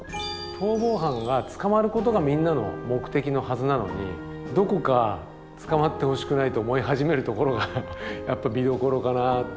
逃亡犯が捕まることがみんなの目的のはずなのにどこか捕まってほしくないと思い始めるところが見どころかな。